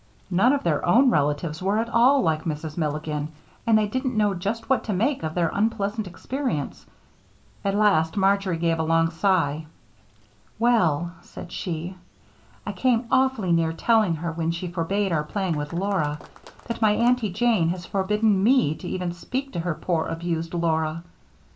None of their own relatives were at all like Mrs. Milligan and they didn't know just what to make of their unpleasant experience. At last, Marjory gave a long sigh. "Well," said she, "I came awfully near telling her when she forbade our playing with Laura that my Aunty Jane has forbidden me to even speak to her poor abused Laura."